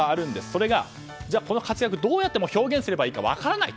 それが、この活躍をどうやって表現すればいいか分からない。